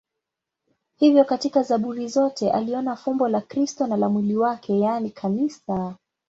Hivyo katika Zaburi zote aliona fumbo la Kristo na la mwili wake, yaani Kanisa.